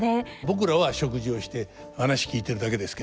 僕らは食事をして話聞いてるだけですけど。